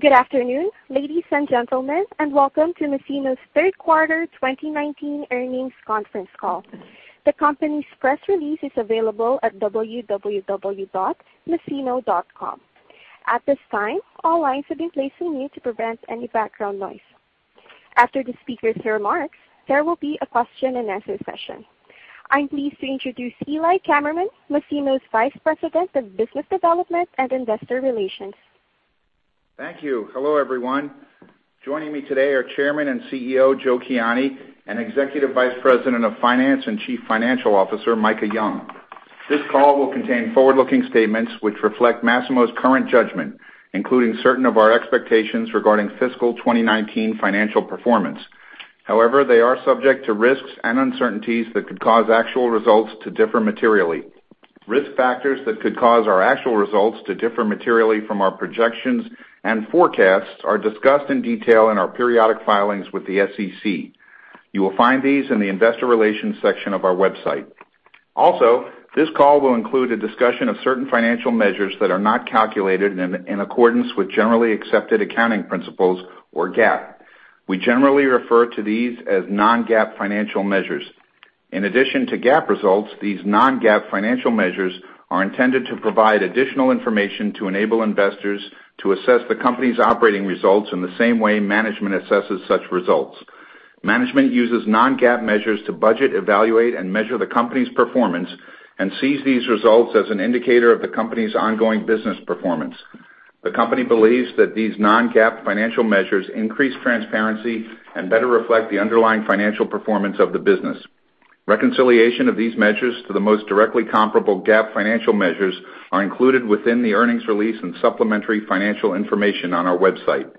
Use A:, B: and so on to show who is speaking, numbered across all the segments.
A: Good afternoon, ladies and gentlemen, welcome to Masimo's third quarter 2019 earnings conference call. The company's press release is available at www.masimo.com. At this time, all lines have been placed on mute to prevent any background noise. After the speakers' remarks, there will be a question and answer session. I'm pleased to introduce Eli Kammerman, Masimo's Vice President of Business Development and Investor Relations.
B: Thank you. Hello, everyone. Joining me today are Chairman and CEO, Joe Kiani, and Executive Vice President of Finance and Chief Financial Officer, Micah Young. This call will contain forward-looking statements which reflect Masimo's current judgment, including certain of our expectations regarding fiscal 2019 financial performance. However, they are subject to risks and uncertainties that could cause actual results to differ materially. Risk factors that could cause our actual results to differ materially from our projections and forecasts are discussed in detail in our periodic filings with the SEC. You will find these in the investor relations section of our website. Also, this call will include a discussion of certain financial measures that are not calculated in accordance with generally accepted accounting principles, or GAAP. We generally refer to these as non-GAAP financial measures. In addition to GAAP results, these non-GAAP financial measures are intended to provide additional information to enable investors to assess the company's operating results in the same way management assesses such results. Management uses non-GAAP measures to budget, evaluate, and measure the company's performance and sees these results as an indicator of the company's ongoing business performance. The company believes that these non-GAAP financial measures increase transparency and better reflect the underlying financial performance of the business. Reconciliation of these measures to the most directly comparable GAAP financial measures are included within the earnings release and supplementary financial information on our website.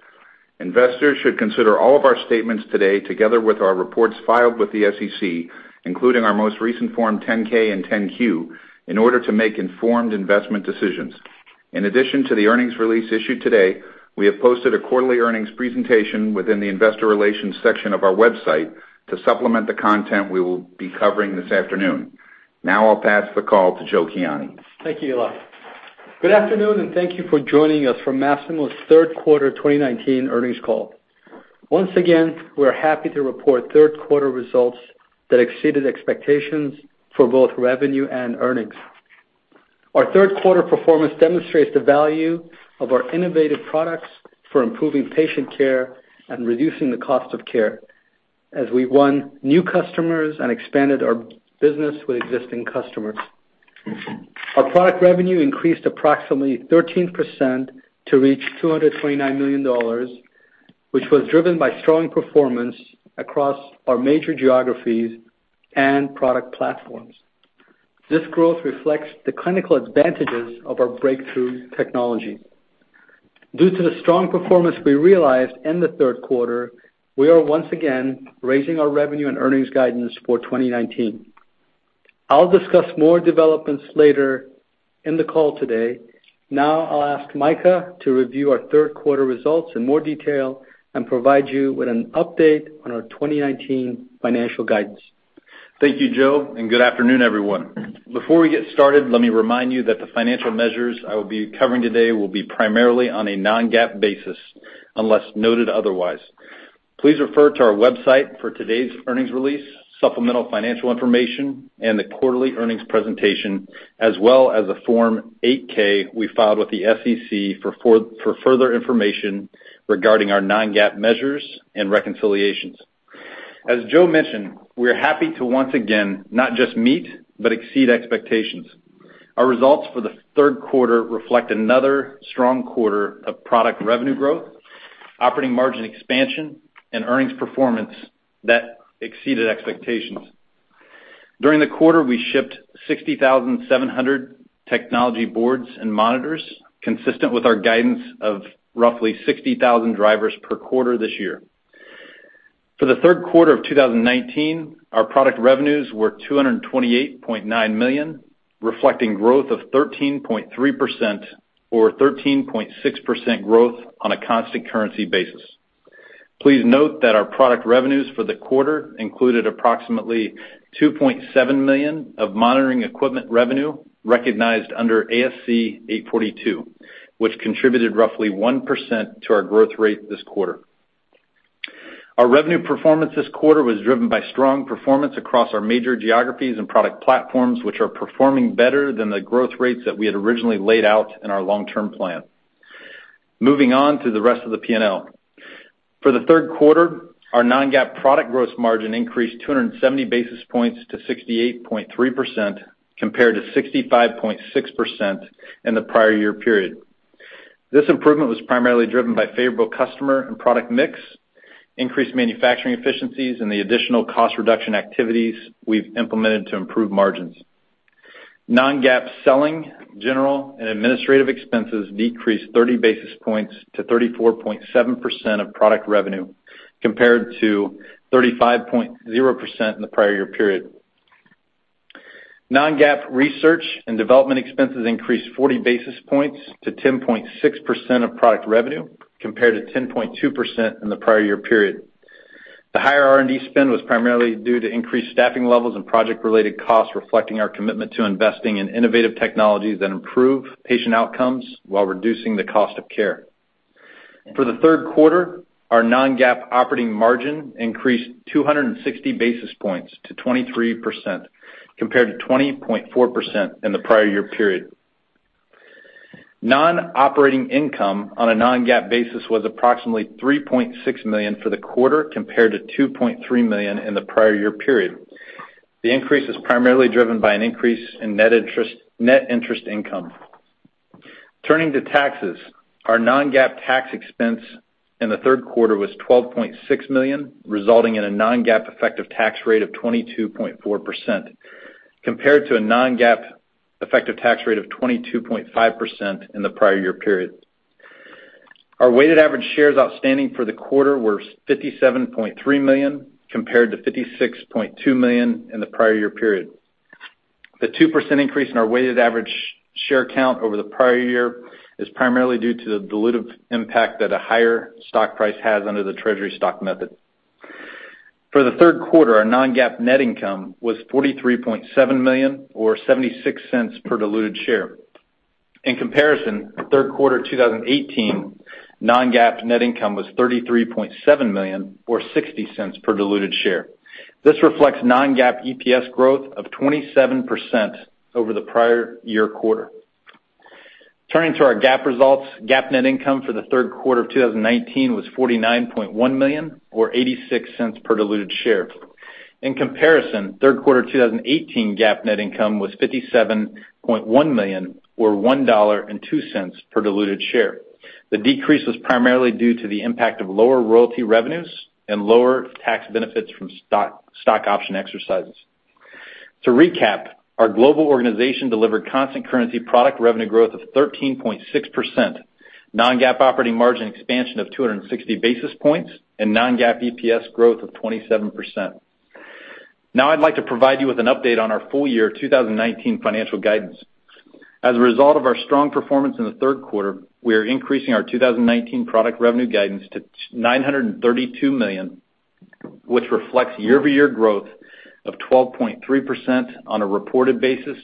B: Investors should consider all of our statements today, together with our reports filed with the SEC, including our most recent Form 10-K and 10-Q, in order to make informed investment decisions. In addition to the earnings release issued today, we have posted a quarterly earnings presentation within the investor relations section of our website to supplement the content we will be covering this afternoon. Now I'll pass the call to Joe Kiani.
C: Thank you, Eli. Good afternoon, and thank you for joining us for Masimo's third quarter 2019 earnings call. Once again, we're happy to report third quarter results that exceeded expectations for both revenue and earnings. Our third quarter performance demonstrates the value of our innovative products for improving patient care and reducing the cost of care as we've won new customers and expanded our business with existing customers. Our product revenue increased approximately 13% to reach $229 million, which was driven by strong performance across our major geographies and product platforms. This growth reflects the clinical advantages of our breakthrough technology. Due to the strong performance we realized in the third quarter, we are once again raising our revenue and earnings guidance for 2019. I'll discuss more developments later in the call today. Now I'll ask Micah to review our third quarter results in more detail and provide you with an update on our 2019 financial guidance.
D: Thank you, Joe. Good afternoon, everyone. Before we get started, let me remind you that the financial measures I will be covering today will be primarily on a non-GAAP basis, unless noted otherwise. Please refer to our website for today's earnings release, supplemental financial information, and the quarterly earnings presentation, as well as the Form 8-K we filed with the SEC for further information regarding our non-GAAP measures and reconciliations. As Joe mentioned, we're happy to once again not just meet but exceed expectations. Our results for the third quarter reflect another strong quarter of product revenue growth, operating margin expansion, and earnings performance that exceeded expectations. During the quarter, we shipped 60,700 technology boards and monitors, consistent with our guidance of roughly 60,000 drivers per quarter this year. For the third quarter of 2019, our product revenues were $228.9 million, reflecting growth of 13.3%, or 13.6% growth on a constant currency basis. Please note that our product revenues for the quarter included approximately $2.7 million of monitoring equipment revenue recognized under ASC 842, which contributed roughly 1% to our growth rate this quarter. Our revenue performance this quarter was driven by strong performance across our major geographies and product platforms, which are performing better than the growth rates that we had originally laid out in our long-term plan. Moving on to the rest of the P&L. For the third quarter, our non-GAAP product gross margin increased 270 basis points to 68.3%, compared to 65.6% in the prior year period. This improvement was primarily driven by favorable customer and product mix, increased manufacturing efficiencies, and the additional cost reduction activities we've implemented to improve margins. Non-GAAP selling, general, and administrative expenses decreased 30 basis points to 34.7% of product revenue, compared to 35.0% in the prior year period. Non-GAAP research and development expenses increased 40 basis points to 10.6% of product revenue, compared to 10.2% in the prior year period. The higher R&D spend was primarily due to increased staffing levels and project-related costs reflecting our commitment to investing in innovative technologies that improve patient outcomes while reducing the cost of care. For the third quarter, our non-GAAP operating margin increased 260 basis points to 23%, compared to 20.4% in the prior year period. Non-operating income on a non-GAAP basis was approximately $3.6 million for the quarter, compared to $2.3 million in the prior year period. The increase is primarily driven by an increase in net interest income. Turning to taxes, our non-GAAP tax expense in the third quarter was $12.6 million, resulting in a non-GAAP effective tax rate of 22.4%, compared to a non-GAAP effective tax rate of 22.5% in the prior year period. Our weighted average shares outstanding for the quarter were 57.3 million, compared to 56.2 million in the prior year period. The 2% increase in our weighted average share count over the prior year is primarily due to the dilutive impact that a higher stock price has under the treasury stock method. For the third quarter, our non-GAAP net income was $43.7 million, or $0.76 per diluted share. In comparison, the third quarter 2018 non-GAAP net income was $33.7 million, or $0.60 per diluted share. This reflects non-GAAP EPS growth of 27% over the prior year quarter. Turning to our GAAP results, GAAP net income for the third quarter of 2019 was $49.1 million, or $0.86 per diluted share. In comparison, third quarter 2018 GAAP net income was $57.1 million, or $1.02 per diluted share. The decrease was primarily due to the impact of lower royalty revenues and lower tax benefits from stock option exercises. To recap, our global organization delivered constant currency product revenue growth of 13.6%, non-GAAP operating margin expansion of 260 basis points, and non-GAAP EPS growth of 27%. Now I'd like to provide you with an update on our full-year 2019 financial guidance. As a result of our strong performance in the third quarter, we are increasing our 2019 product revenue guidance to $932 million, which reflects year-over-year growth of 12.3% on a reported basis,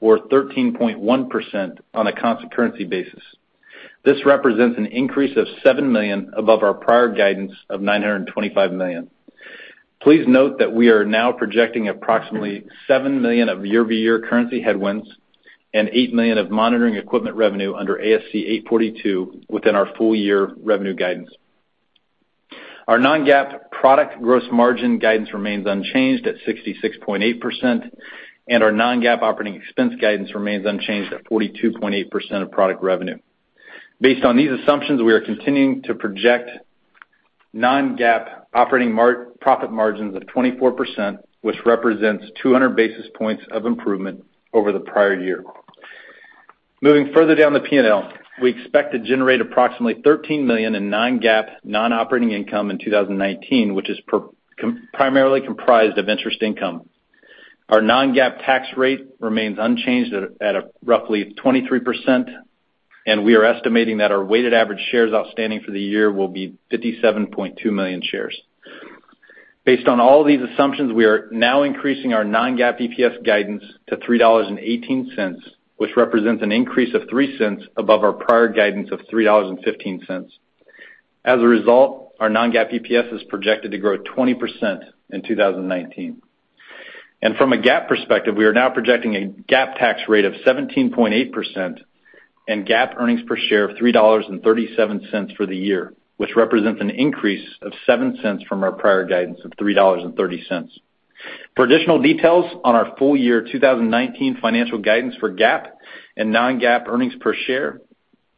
D: or 13.1% on a constant currency basis. This represents an increase of $7 million above our prior guidance of $925 million. Please note that we are now projecting approximately $7 million of year-over-year currency headwinds and $8 million of monitoring equipment revenue under ASC 842 within our full-year revenue guidance. Our non-GAAP product gross margin guidance remains unchanged at 66.8%, and our non-GAAP operating expense guidance remains unchanged at 42.8% of product revenue. Based on these assumptions, we are continuing to project Non-GAAP operating profit margins of 24%, which represents 200 basis points of improvement over the prior year. Moving further down the P&L, we expect to generate approximately $13 million in Non-GAAP non-operating income in 2019, which is primarily comprised of interest income. Our Non-GAAP tax rate remains unchanged at roughly 23%, and we are estimating that our weighted average shares outstanding for the year will be 57.2 million shares. Based on all these assumptions, we are now increasing our Non-GAAP EPS guidance to $3.18, which represents an increase of $0.03 above our prior guidance of $3.15. As a result, our Non-GAAP EPS is projected to grow 20% in 2019. From a GAAP perspective, we are now projecting a GAAP tax rate of 17.8% and GAAP earnings per share of $3.37 for the year, which represents an increase of $0.07 from our prior guidance of $3.30. For additional details on our full-year 2019 financial guidance for GAAP and non-GAAP earnings per share,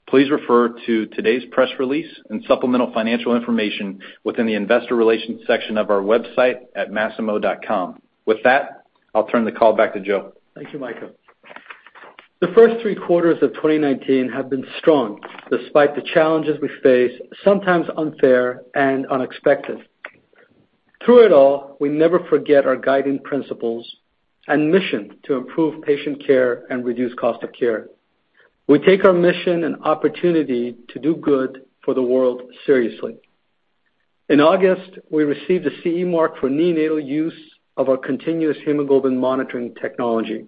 D: please refer to today's press release and supplemental financial information within the investor relations section of our website at masimo.com. With that, I'll turn the call back to Joe.
C: Thank you, Micah. The first three quarters of 2019 have been strong, despite the challenges we face, sometimes unfair and unexpected. Through it all, we never forget our guiding principles and mission to improve patient care and reduce cost of care. We take our mission and opportunity to do good for the world seriously. In August, we received a CE mark for neonatal use of our continuous hemoglobin monitoring technology.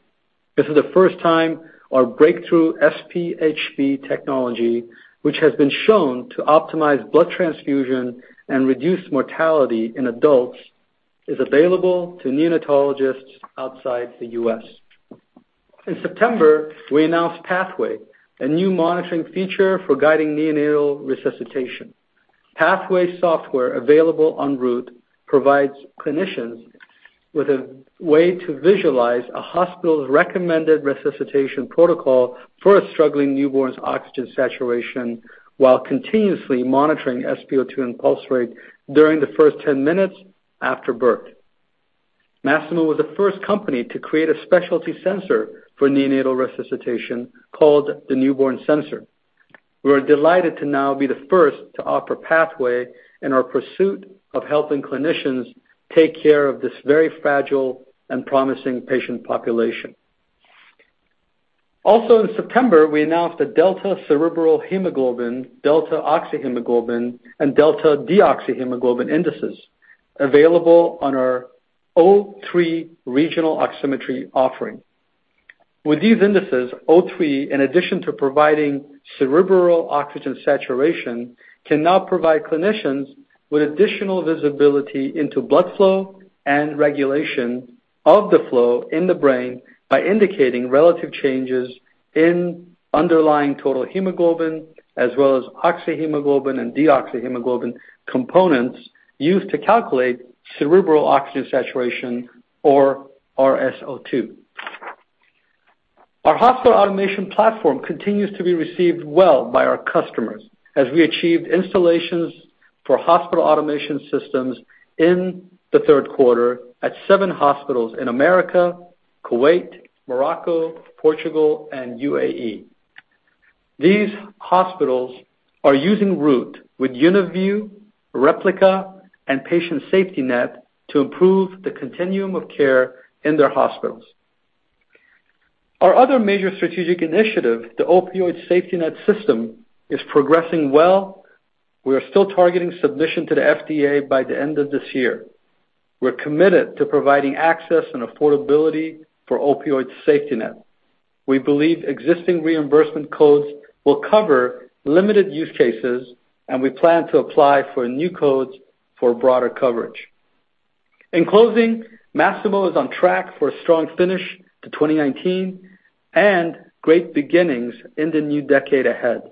C: This is the first time our breakthrough SpHb technology, which has been shown to optimize blood transfusion and reduce mortality in adults, is available to neonatologists outside the U.S. In September, we announced Pathway, a new monitoring feature for guiding neonatal resuscitation. Pathway software, available on Root, provides clinicians with a way to visualize a hospital's recommended resuscitation protocol for a struggling newborn's oxygen saturation while continuously monitoring SpO2 and pulse rate during the first 10 minutes after birth. Masimo was the first company to create a specialty sensor for neonatal resuscitation, called the Newborn sensor. We are delighted to now be the first to offer Pathway in our pursuit of helping clinicians take care of this very fragile and promising patient population. Also in September, we announced the delta cerebral hemoglobin, delta oxyhemoglobin, and delta deoxyhemoglobin indices available on our O3 regional oximetry offering. With these indices, O3, in addition to providing cerebral oxygen saturation, can now provide clinicians with additional visibility into blood flow and regulation of the flow in the brain by indicating relative changes in underlying total hemoglobin, as well as oxyhemoglobin and deoxyhemoglobin components used to calculate cerebral oxygen saturation or RSO2. Our hospital automation platform continues to be received well by our customers, as we achieved installations for hospital automation systems in the third quarter at seven hospitals in the U.S., Kuwait, Morocco, Portugal, and U.A.E. These hospitals are using Root with UniView, Replica, and Patient SafetyNet to improve the continuum of care in their hospitals. Our other major strategic initiative, the Opioid SafetyNet system, is progressing well. We are still targeting submission to the FDA by the end of this year. We're committed to providing access and affordability for Opioid SafetyNet. We believe existing reimbursement codes will cover limited use cases. We plan to apply for new codes for broader coverage. In closing, Masimo is on track for a strong finish to 2019 and great beginnings in the new decade ahead.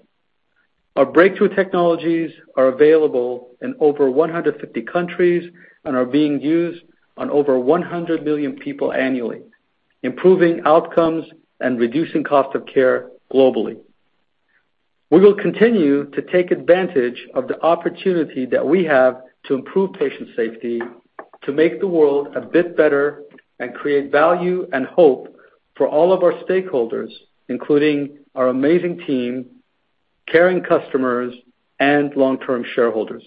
C: Our breakthrough technologies are available in over 150 countries and are being used on over 100 million people annually, improving outcomes and reducing cost of care globally. We will continue to take advantage of the opportunity that we have to improve patient safety, to make the world a bit better, and create value and hope for all of our stakeholders, including our amazing team, caring customers, and long-term shareholders.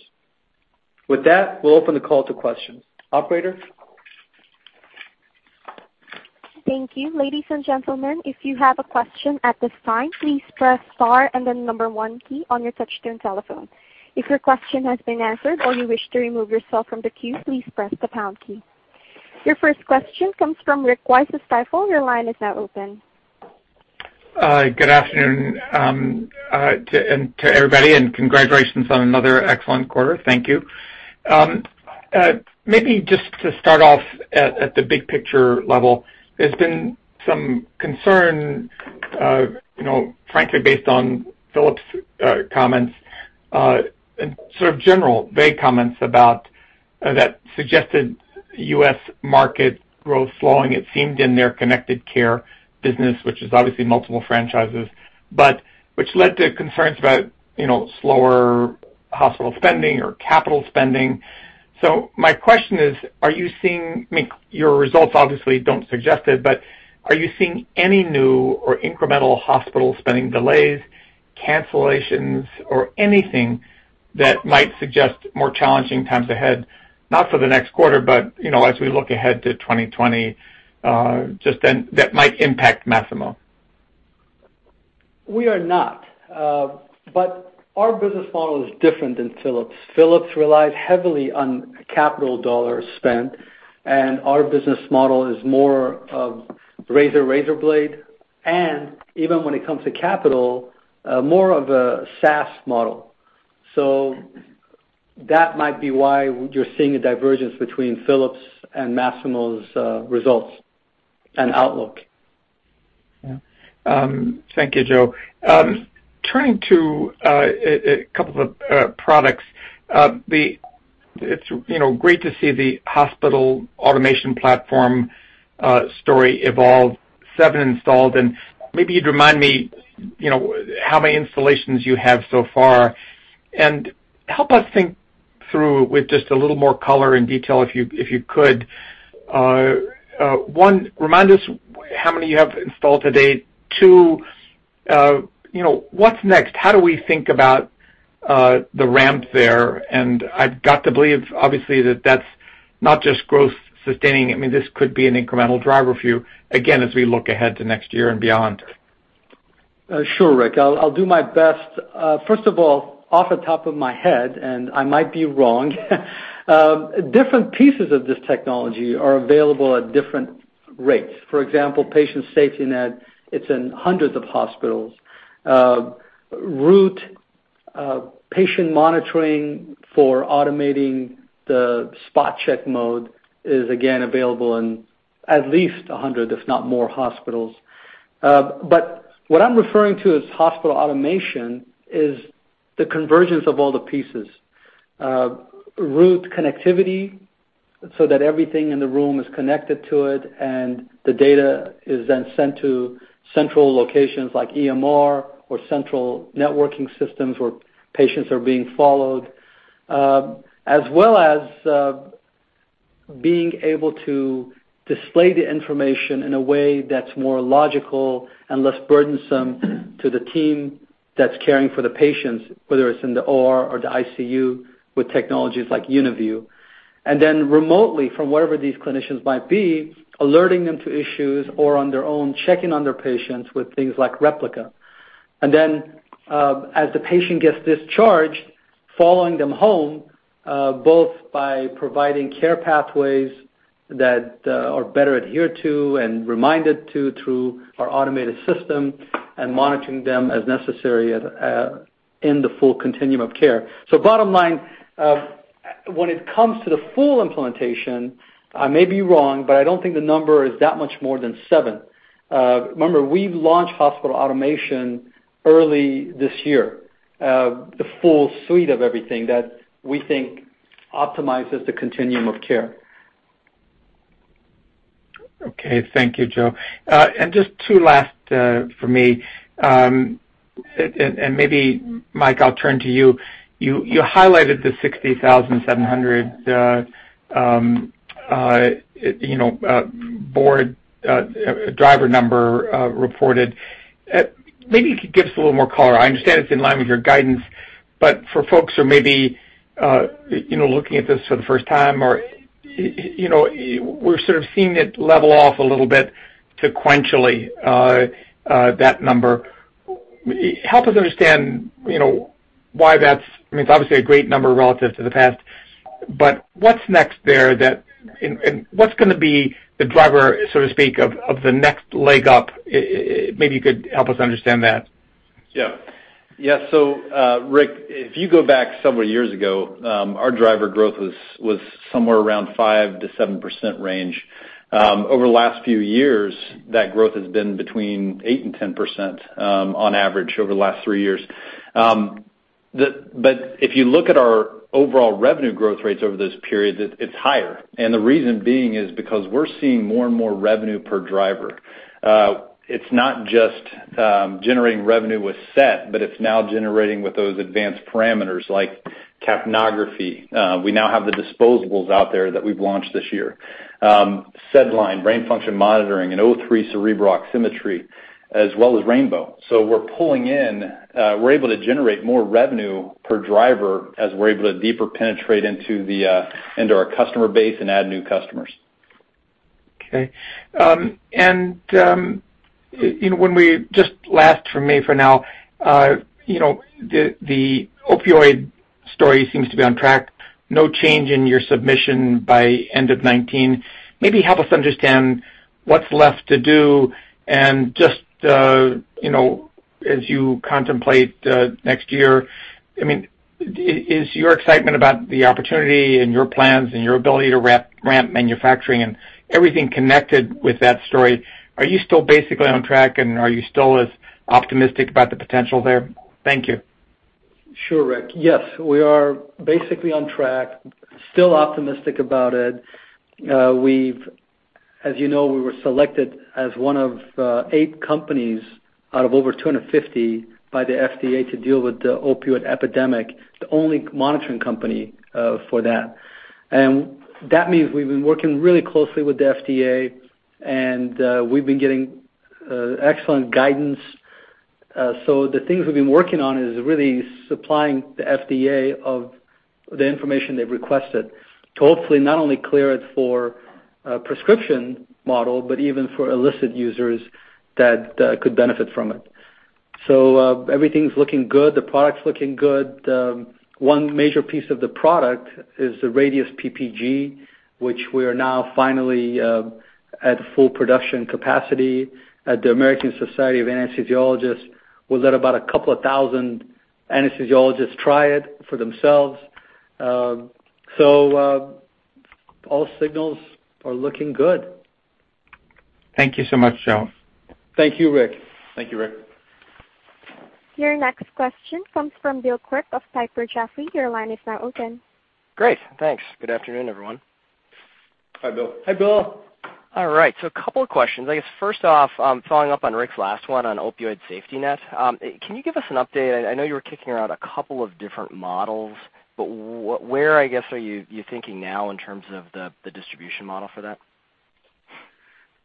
C: With that, we'll open the call to questions. Operator?
A: Thank you. Ladies and gentlemen, if you have a question at this time, please press star and then the number one key on your touch-tone telephone. If your question has been answered or you wish to remove yourself from the queue, please press the pound key. Your first question comes from Rick Wise of Stifel. Your line is now open.
E: Hi. Good afternoon to everybody and congratulations on another excellent quarter. Thank you. Maybe just to start off at the big picture level, there's been some concern, frankly, based on Philips' comments, and sort of general vague comments that suggested U.S. market growth slowing, it seemed, in their connected care business, which is obviously multiple franchises, but which led to concerns about slower hospital spending or capital spending. My question is, your results obviously don't suggest it, but are you seeing any new or incremental hospital spending delays, cancellations, or anything that might suggest more challenging times ahead? Not for the next quarter, but as we look ahead to 2020, just that might impact Masimo.
C: We are not. Our business model is different than Philips. Philips relies heavily on capital dollars spent, and our business model is more of razor-razorblade, and even when it comes to capital, more of a SaaS model. That might be why you're seeing a divergence between Philips and Masimo's results and outlook.
E: Yeah. Thank you, Joe. Turning to a couple of products. It's great to see the hospital automation platform story evolve, seven installed. Maybe you'd remind me how many installations you have so far, and help us think through with just a little more color and detail, if you could. One, remind us how many you have installed to date. Two, what's next? How do we think about the ramp there? I've got to believe, obviously, that that's not just growth sustaining. This could be an incremental driver for you, again, as we look ahead to next year and beyond.
C: Sure, Rick. I'll do my best. First of all, off the top of my head, and I might be wrong, different pieces of this technology are available at different rates. For example, Patient SafetyNet, it's in hundreds of hospitals. Root patient monitoring for automating the spot check mode is, again, available in at least 100, if not more, hospitals. What I'm referring to as hospital automation is the convergence of all the pieces. Root connectivity, so that everything in the room is connected to it and the data is then sent to central locations like EMR or central networking systems where patients are being followed, as well as being able to display the information in a way that's more logical and less burdensome to the team that's caring for the patients, whether it's in the OR or the ICU, with technologies like UniView. Remotely, from wherever these clinicians might be, alerting them to issues or on their own, checking on their patients with things like Replica. As the patient gets discharged, following them home, both by providing care pathways that are better adhered to and reminded to through our automated system, and monitoring them as necessary in the full continuum of care. Bottom line, when it comes to the full implementation, I may be wrong, but I don't think the number is that much more than seven. Remember, we've launched hospital automation early this year, the full suite of everything that we think optimizes the continuum of care.
E: Okay. Thank you, Joe. Just two last from me. Maybe, Micah, I'll turn to you. You highlighted the 60,700 board driver number reported. Maybe you could give us a little more color. I understand it's in line with your guidance, but for folks who are maybe looking at this for the first time, or we're sort of seeing it level off a little bit sequentially, that number. Help us understand why. I mean, it's obviously a great number relative to the past, but what's next there? What's going to be the driver, so to speak, of the next leg up? Maybe you could help us understand that.
D: Yeah. Rick, if you go back several years ago, our driver growth was somewhere around 5%-7% range. Over the last few years, that growth has been between 8%-10%, on average, over the last three years. If you look at our overall revenue growth rates over this period, it's higher. The reason being is because we're seeing more and more revenue per driver. It's not just generating revenue with SET, but it's now generating with those advanced parameters like capnography. We now have the disposables out there that we've launched this year. SedLine, brain function monitoring, and O3 cerebral oximetry, as well as Rainbow. We're able to generate more revenue per driver as we're able to deeper penetrate into our customer base and add new customers.
E: Okay. Just last from me for now. The opioid story seems to be on track. No change in your submission by end of 2019. Maybe help us understand what's left to do and just as you contemplate next year, is your excitement about the opportunity and your plans and your ability to ramp manufacturing and everything connected with that story, are you still basically on track, and are you still as optimistic about the potential there? Thank you.
C: Sure, Rick. Yes, we are basically on track, still optimistic about it. As you know, we were selected as one of eight companies out of over 250 by the FDA to deal with the opioid epidemic, the only monitoring company for that. That means we've been working really closely with the FDA, and we've been getting excellent guidance. The things we've been working on is really supplying the FDA of the information they've requested to hopefully not only clear it for a prescription model, but even for illicit users that could benefit from it. Everything's looking good. The product's looking good. One major piece of the product is the Radius PPG, which we are now finally at full production capacity at the American Society of Anesthesiologists. We'll let about a couple of thousand anesthesiologists try it for themselves. All signals are looking good.
E: Thank you so much, Joe.
C: Thank you, Rick.
D: Thank you, Rick.
A: Your next question comes from Bill Quirk of Piper Jaffray. Your line is now open.
F: Great, thanks. Good afternoon, everyone.
D: Hi, Bill.
C: Hi, Bill.
F: All right, a couple of questions. I guess first off, following up on Rick's last one on opioid safety net. Can you give us an update? I know you were kicking around a couple of different models, where are you thinking now in terms of the distribution model for that?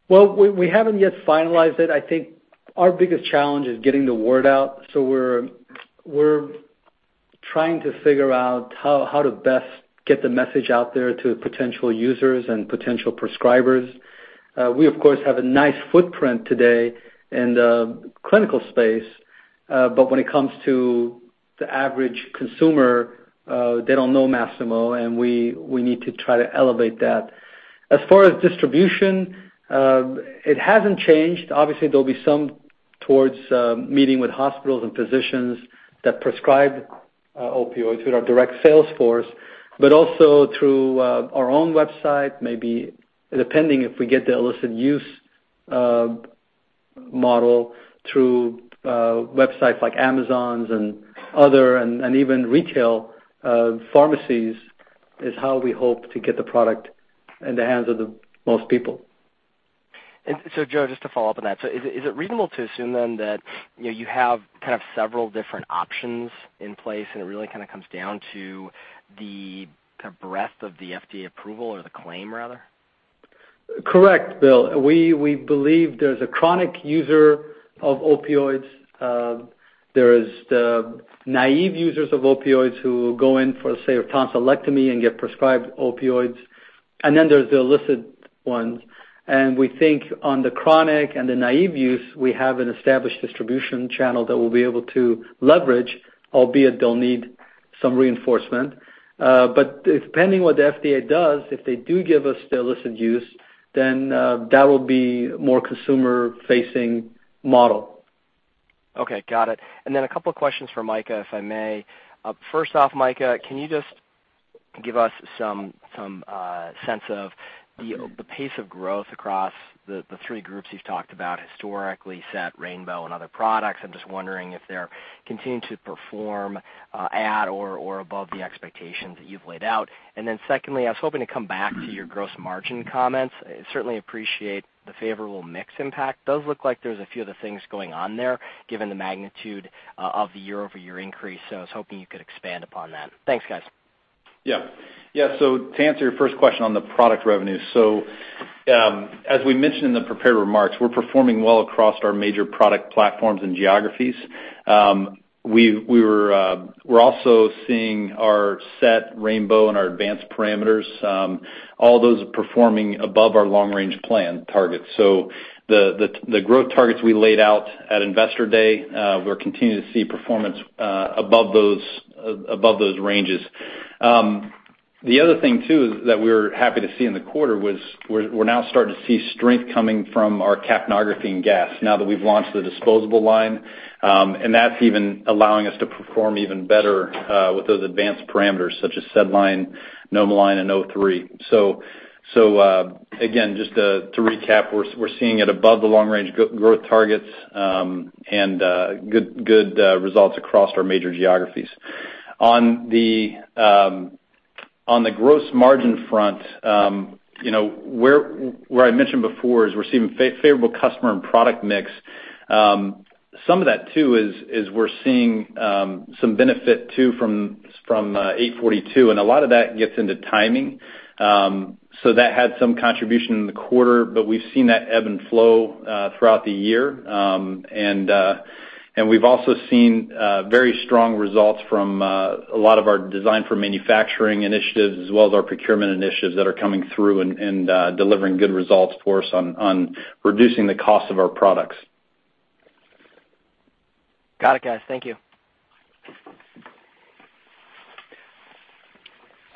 C: Well, we haven't yet finalized it. I think our biggest challenge is getting the word out. We're trying to figure out how to best get the message out there to potential users and potential prescribers. We of course have a nice footprint today in the clinical space. When it comes to the average consumer, they don't know Masimo, and we need to try to elevate that. As far as distribution, it hasn't changed. Obviously, there'll be some towards meeting with hospitals and physicians that prescribe opioids with our direct sales force, but also through our own website, maybe depending if we get the illicit use model through websites like Amazon and other, and even retail pharmacies is how we hope to get the product in the hands of the most people.
F: Joe, just to follow up on that, is it reasonable to assume then that you have kind of several different options in place and it really kind of comes down to the kind of breadth of the FDA approval or the claim rather?
C: Correct, Bill. We believe there's a chronic user of opioids. There is the naive users of opioids who go in for, say, a tonsillectomy and get prescribed opioids, and then there's the illicit ones. We think on the chronic and the naive use, we have an established distribution channel that we'll be able to leverage, albeit they'll need some reinforcement. Depending what the FDA does, if they do give us the illicit use, then that will be more consumer-facing model.
F: Okay, got it. A couple questions for Micah, if I may. First off, Micah, can you just give us some sense of the pace of growth across the three groups you've talked about historically, SET, Rainbow, and other products? I'm just wondering if they're continuing to perform at or above the expectations that you've laid out. Secondly, I was hoping to come back to your gross margin comments. Certainly appreciate the favorable mix impact. It does look like there's a few other things going on there given the magnitude of the year-over-year increase. I was hoping you could expand upon that. Thanks, guys.
D: To answer your first question on the product revenue. As we mentioned in the prepared remarks, we're performing well across our major product platforms and geographies. We're also seeing our SET, Rainbow, and our advanced parameters, all those are performing above our long-range plan targets. The growth targets we laid out at Investor Day, we're continuing to see performance above those ranges. The other thing too, that we were happy to see in the quarter was we're now starting to see strength coming from our capnography and gas now that we've launched the disposable line, and that's even allowing us to perform even better, with those advanced parameters such as SedLine, NomoLine, and O3. Again, just to recap, we're seeing it above the long-range growth targets, and good results across our major geographies. On the gross margin front, where I mentioned before is we're seeing favorable customer and product mix. Some of that too is we're seeing some benefit too from ASC 842. A lot of that gets into timing. That had some contribution in the quarter, but we've seen that ebb and flow throughout the year. We've also seen very strong results from a lot of our design for manufacturing initiatives as well as our procurement initiatives that are coming through and delivering good results for us on reducing the cost of our products.
F: Got it, guys. Thank you.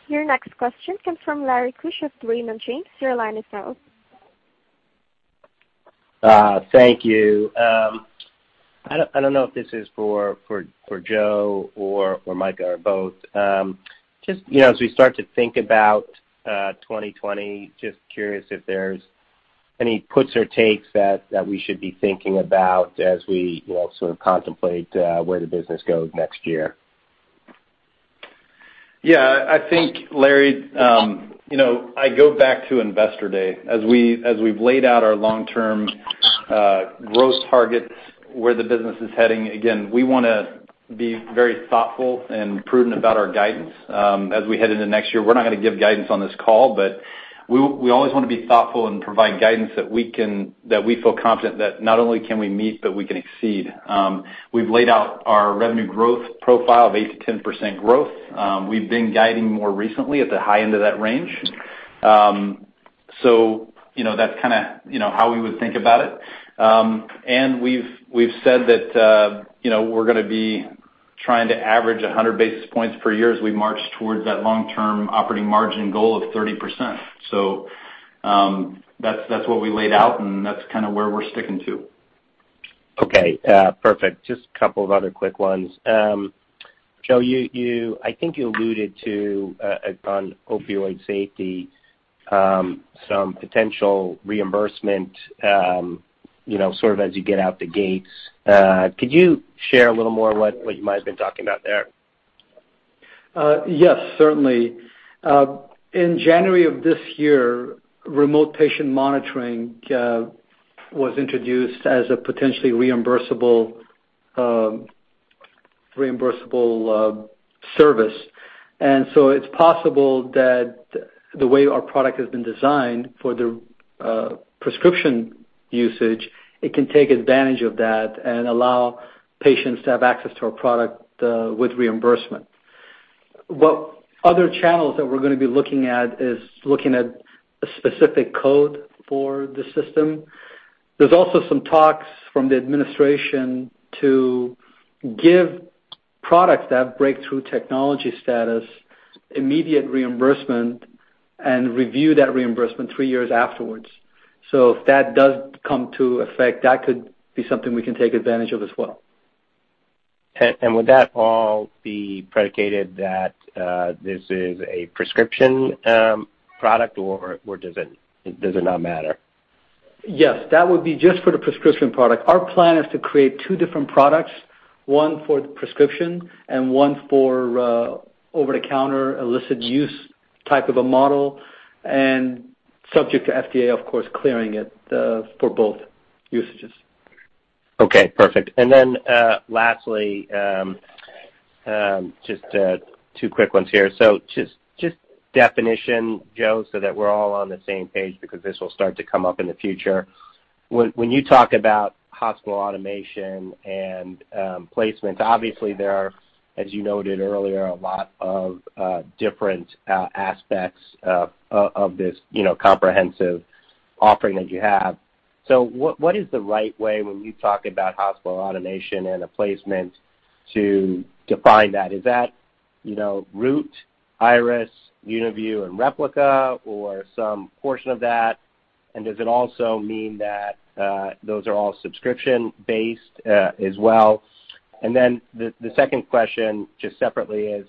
A: Your next question comes from Larry Keusch of Raymond James. Your line is now open.
G: Thank you. I don't know if this is for Joe or Micah or both. As we start to think about 2020, just curious if there's any puts or takes that we should be thinking about as we sort of contemplate where the business goes next year.
D: I think, Larry, I go back to Investor Day. As we've laid out our long-term growth targets, where the business is heading, again, we want to be very thoughtful and prudent about our guidance. As we head into next year, we're not going to give guidance on this call, but we always want to be thoughtful and provide guidance that we feel confident that not only can we meet, but we can exceed. We've laid out our revenue growth profile of 8%-10% growth. We've been guiding more recently at the high end of that range. That's how we would think about it. We've said that we're going to be trying to average 100 basis points per year as we march towards that long-term operating margin goal of 30%. That's what we laid out, and that's where we're sticking to.
G: Okay, perfect. Just a couple of other quick ones. Joe, I think you alluded to, on opioid safety, some potential reimbursement sort of as you get out the gates. Could you share a little more what you might have been talking about there?
C: Yes, certainly. In January of this year, remote patient monitoring was introduced as a potentially reimbursable service. It's possible that the way our product has been designed for the prescription usage, it can take advantage of that and allow patients to have access to our product with reimbursement. What other channels that we're going to be looking at is looking at a specific code for the system. There's also some talks from the administration to give products that have Breakthrough Device designation immediate reimbursement and review that reimbursement three years afterwards. If that does come to effect, that could be something we can take advantage of as well.
G: Would that all be predicated that this is a prescription product, or does it not matter?
C: Yes. That would be just for the prescription product. Our plan is to create two different products, one for prescription and one for over-the-counter illicit use type of a model. Subject to FDA, of course, clearing it, for both usages.
G: Okay, perfect. Lastly, just two quick ones here. Just definition, Joe, so that we're all on the same page because this will start to come up in the future. When you talk about hospital automation and placements, obviously there are, as you noted earlier, a lot of different aspects of this comprehensive offering that you have. What is the right way when you talk about hospital automation and a placement to define that? Is that Root, Iris, UniView, and Replica or some portion of that? Does it also mean that those are all subscription-based as well? The second question, just separately is,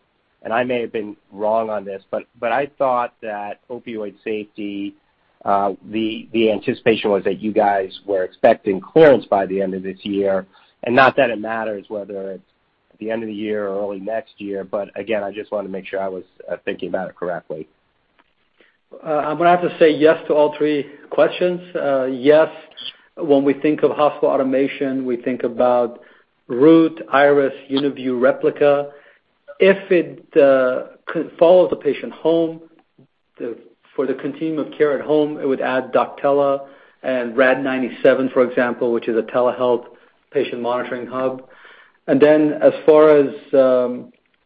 G: I may have been wrong on this, but I thought that opioid safety, the anticipation was that you guys were expecting clearance by the end of this year. Not that it matters whether it's at the end of the year or early next year, but again, I just wanted to make sure I was thinking about it correctly.
C: I'm going to have to say yes to all three questions. Yes, when we think of hospital automation, we think about Root, Iris, UniView, Replica. If it could follow the patient home for the continuum of care at home, it would add Doctella and Rad-97, for example, which is a telehealth patient monitoring hub. As far as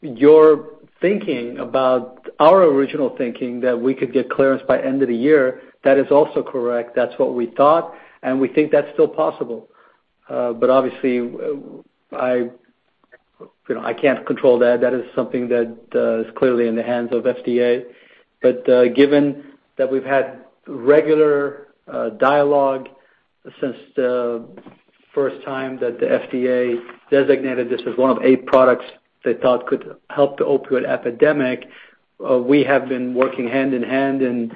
C: your thinking about our original thinking that we could get clearance by end of the year, that is also correct. That's what we thought, and we think that's still possible. Obviously, I can't control that. That is something that is clearly in the hands of FDA. Given that we've had regular dialogue since the first time that the FDA designated this as one of eight products they thought could help the opioid epidemic, we have been working hand in hand in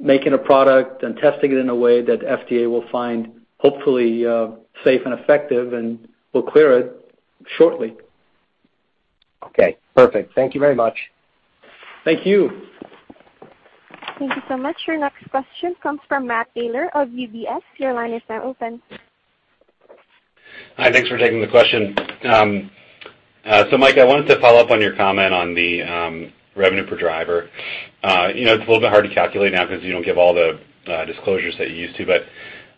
C: making a product and testing it in a way that FDA will find, hopefully, safe and effective and will clear it shortly.
G: Okay, perfect. Thank you very much.
C: Thank you.
A: Thank you so much. Your next question comes from Matt Taylor of UBS. Your line is now open.
H: Hi, thanks for taking the question. Micah, I wanted to follow up on your comment on the revenue per driver. It's a little bit hard to calculate now because you don't give all the disclosures that you used to,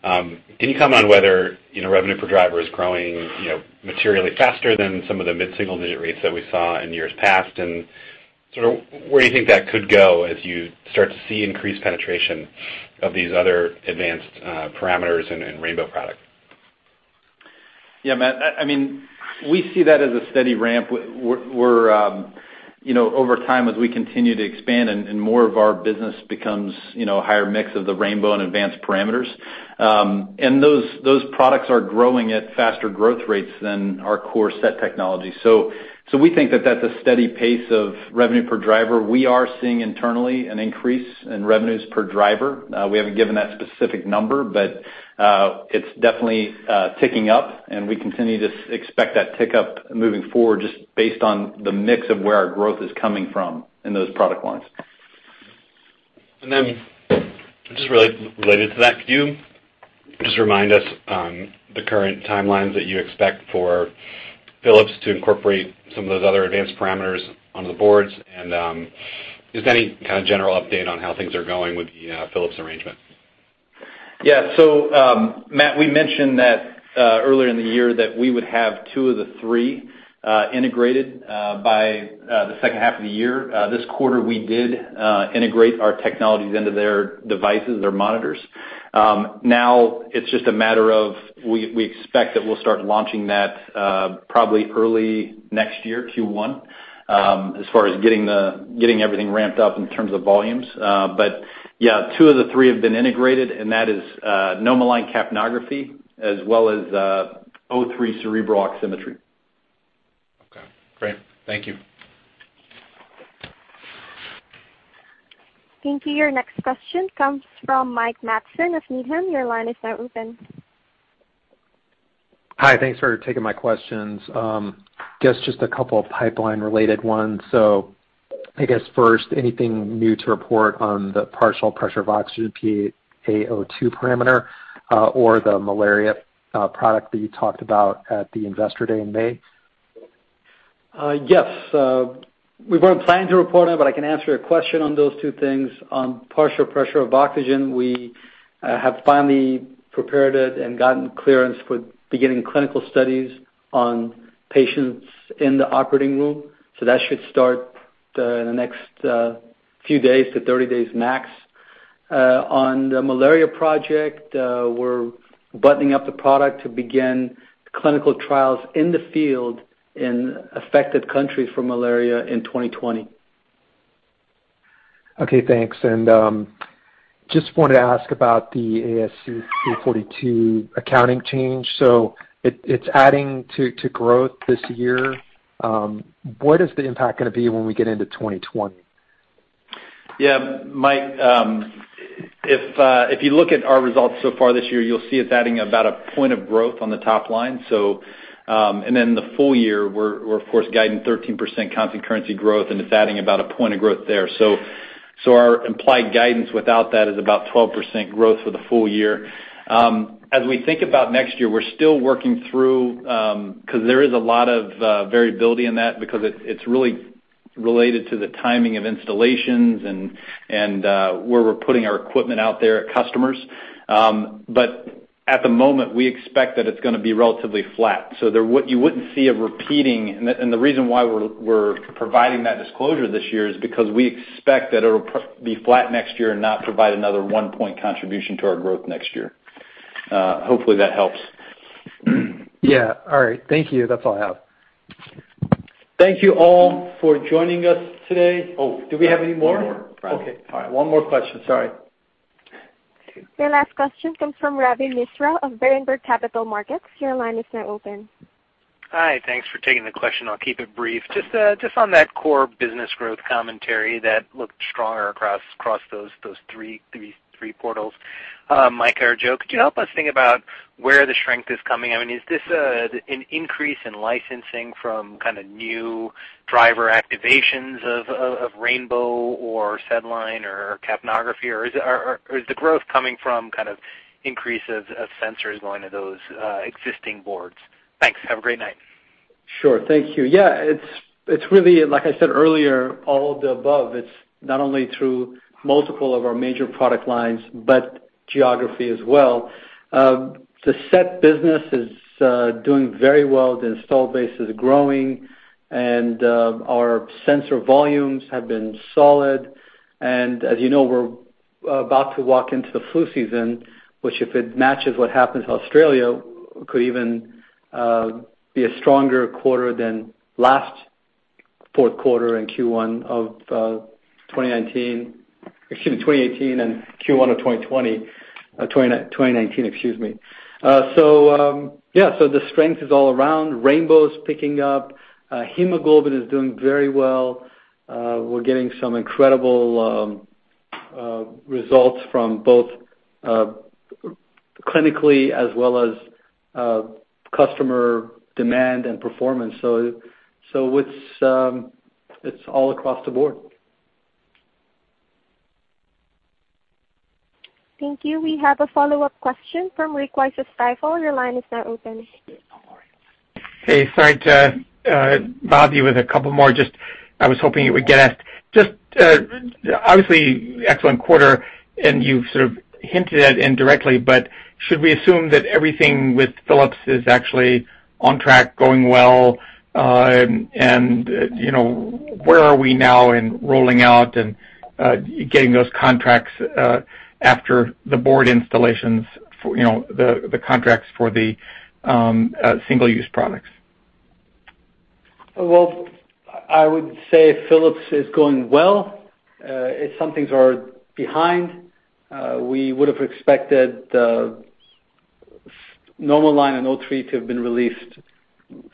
H: but can you comment on whether revenue per driver is growing materially faster than some of the mid-single-digit rates that we saw in years past? Sort of where you think that could go as you start to see increased penetration of these other advanced parameters and Rainbow products?
D: Yeah, Matt, we see that as a steady ramp. Over time, as we continue to expand and more of our business becomes a higher mix of the Rainbow and advanced parameters. Those products are growing at faster growth rates than our core SET technology. We think that that's a steady pace of revenue per driver. We are seeing internally an increase in revenues per driver. We haven't given that specific number, but it's definitely ticking up, and we continue to expect that tick up moving forward, just based on the mix of where our growth is coming from in those product lines.
H: Just related to that, can you just remind us the current timelines that you expect for Philips to incorporate some of those other advanced parameters onto the boards? Just any kind of general update on how things are going with the Philips arrangement?
D: Matt, we mentioned that earlier in the year that we would have two of the three integrated by the second half of the year. This quarter, we did integrate our technologies into their devices, their monitors. Now it's just a matter of, we expect that we'll start launching that probably early next year, Q1 as far as getting everything ramped up in terms of volumes. Two of the three have been integrated, and that is NomoLine capnography as well as O3 cerebral oximetry.
H: Okay, great. Thank you.
A: Thank you. Your next question comes from Mike Matson of Needham & Company. Your line is now open.
I: Hi, thanks for taking my questions. Guess just a couple of pipeline-related ones. I guess first, anything new to report on the partial pressure of oxygen PaO2 parameter or the malaria product that you talked about at the investor day in May?
C: Yes. We weren't planning to report on it, but I can answer your question on those two things. On partial pressure of oxygen, we have finally prepared it and gotten clearance for beginning clinical studies on patients in the operating room. That should start in the next few days to 30 days max. On the malaria project, we're buttoning up the product to begin clinical trials in the field in affected countries for malaria in 2020.
I: Okay, thanks. Just wanted to ask about the ASC 842 accounting change. It's adding to growth this year. What is the impact going to be when we get into 2020?
D: Yeah, Mike, if you look at our results so far this year, you'll see it's adding about a point of growth on the top line. The full year, we're of course guiding 13% constant currency growth, and it's adding about a point of growth there. Our implied guidance without that is about 12% growth for the full year. As we think about next year, we're still working through, because there is a lot of variability in that because it's really related to the timing of installations and where we're putting our equipment out there at customers. At the moment, we expect that it's going to be relatively flat. You wouldn't see it repeating, and the reason why we're providing that disclosure this year is because we expect that it'll be flat next year and not provide another one-point contribution to our growth next year. Hopefully that helps.
I: All right. Thank you. That's all I have.
C: Thank you all for joining us today. Oh, do we have any more?
D: One more.
C: Okay. All right. One more question, sorry.
A: Your last question comes from Ravi Misra of Berenberg Capital Markets. Your line is now open.
J: Hi. Thanks for taking the question, I'll keep it brief. Just on that core business growth commentary that looked stronger across those three portals. Micah or Joe, could you help us think about where the strength is coming? I mean, is this an increase in licensing from kind of new driver activations of Rainbow or SedLine or capnography, or is the growth coming from kind of increases of sensors going to those existing boards? Thanks. Have a great night.
C: Sure. Thank you. Yeah, it's really, like I said earlier, all of the above. It's not only through multiple of our major product lines, but geography as well. The SET business is doing very well. The install base is growing, and our sensor volumes have been solid. As you know, we're about to walk into the flu season, which if it matches what happens in Australia, could even be a stronger quarter than last fourth quarter in Q1 of 2019. Excuse me, 2018 and Q1 of 2020. 2019, excuse me. The strength is all around. Rainbow's picking up. SpHb is doing very well. We're getting some incredible results from both clinically as well as customer demand and performance. It's all across the board.
A: Thank you. We have a follow-up question from Rick Wise of Stifel. Your line is now open.
E: Hey, sorry to bother you with a couple more, just, I was hoping it would get asked. Obviously, excellent quarter, you've sort of hinted at indirectly, but should we assume that everything with Philips is actually on track, going well? Where are we now in rolling out and getting those contracts after the board installations, the contracts for the single-use products?
C: Well, I would say Philips is going well. Some things are behind. We would've expected the NomoLine and O3 to have been released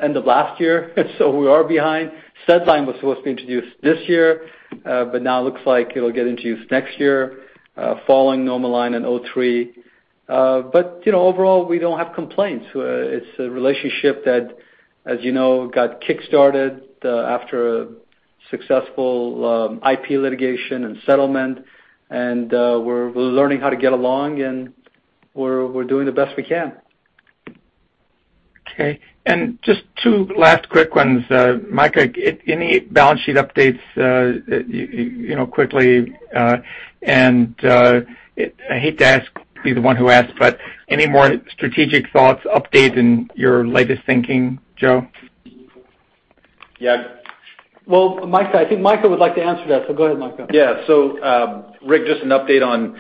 C: end of last year. We are behind. SedLine was supposed to be introduced this year. Now it looks like it'll get introduced next year, following NomoLine and O3. Overall, we don't have complaints. It's a relationship that, as you know, got kickstarted after a successful IP litigation and settlement, and we're learning how to get along and we're doing the best we can.
E: Okay. Just two last quick ones. Micah, any balance sheet updates, quickly, and, I hate to be the one who asks, but any more strategic thoughts, updates in your latest thinking, Joe?
D: Yeah.
C: Well, I think Micah would like to answer that, so go ahead, Micah.
D: Yeah. Rick, just an update on,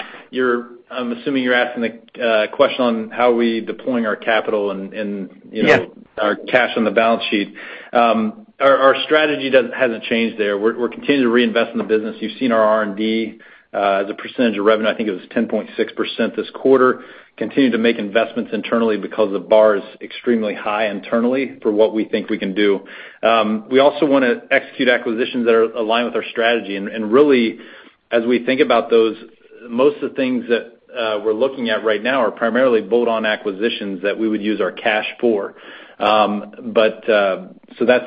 D: I'm assuming you're asking a question on how we're deploying our capital.
E: Yes
D: our cash on the balance sheet. Our strategy hasn't changed there. We're continuing to reinvest in the business. You've seen our R&D. As a percentage of revenue, I think it was 10.6% this quarter. We continue to make investments internally because the bar is extremely high internally for what we think we can do. We also want to execute acquisitions that are aligned with our strategy, and really, as we think about those, most of the things that we're looking at right now are primarily bolt-on acquisitions that we would use our cash for. That's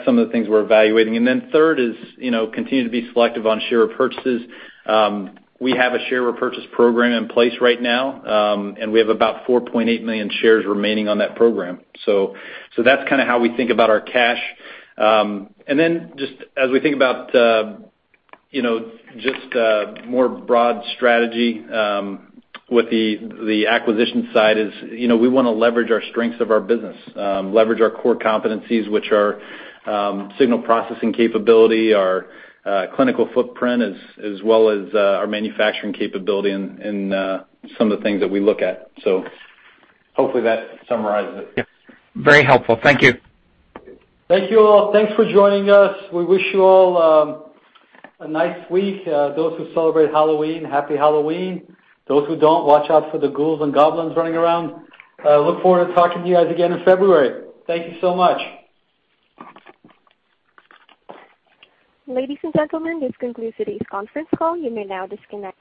D: some of the things we're evaluating. Third is, we continue to be selective on share purchases. We have a share repurchase program in place right now, and we have about 4.8 million shares remaining on that program. That's kind of how we think about our cash. Just as we think about just a more broad strategy, with the acquisition side is, we want to leverage our strengths of our business. Leverage our core competencies, which are signal processing capability, our clinical footprint, as well as our manufacturing capability in some of the things that we look at. Hopefully that summarizes it.
E: Yeah. Very helpful. Thank you.
C: Thank you all. Thanks for joining us. We wish you all a nice week. Those who celebrate Halloween, Happy Halloween. Those who don't, watch out for the ghouls and goblins running around. Look forward to talking to you guys again in February. Thank you so much.
A: Ladies and gentlemen, this concludes today's conference call. You may now disconnect.